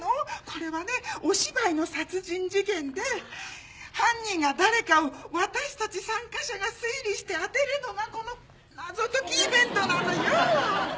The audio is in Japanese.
これはねお芝居の殺人事件で犯人が誰かを私たち参加者が推理して当てるのがこの謎解きイベントなのよ！